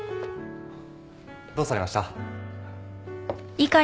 どうされました？